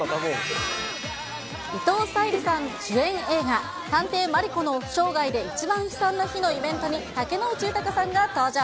伊藤沙莉さん主演映画、探偵マリコの生涯で一番悲惨な日のイベントに竹野内豊さんが登場。